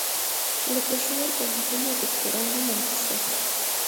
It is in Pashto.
له پېښور پوهنتون یې دوکتورا هم واخیسته.